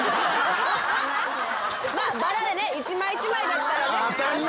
バラでね１枚１枚だったらね。